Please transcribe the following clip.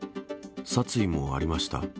殺意もありました。